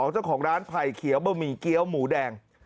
เจ้าของร้านไผ่เขียวบะหมี่เกี้ยวหมูแดง